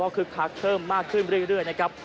คึกคักเพิ่มมากขึ้นเรื่อยนะครับ